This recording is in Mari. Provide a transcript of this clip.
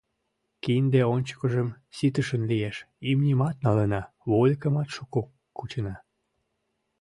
Кинде ончыкыжым ситышын лиеш, имньымат налына, вольыкымат шуко кучена.